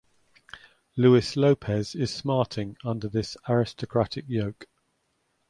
Luis Lopez is smarting under this aristocratic yoke.